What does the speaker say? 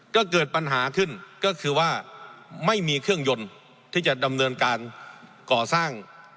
ก็เกิดปัญหาขึ้นก็คือว่าไม่มีเครื่องยนต์ที่จะดำเนินการก่อสร้าง